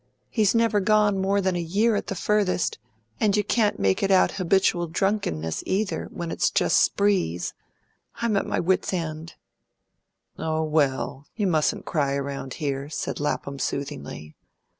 He's never gone more than a year at the furthest, and you can't make it out habitual drunkenness, either, when it's just sprees. I'm at my wit's end." "Oh, well, you mustn't cry around here," said Lapham soothingly.